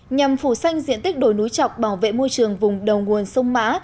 nhằm phủ xanh diện tích đồi núi trọc bảo vệ môi trường vùng đầu nguồn sông mã